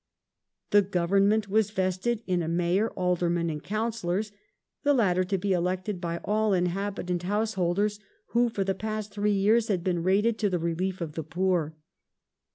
The government was vested in a Mayor, Aldermen, and Councillors, the latter to be elected by all inhabitant householdei"s who for the past three years had been rated to the relief of the poor.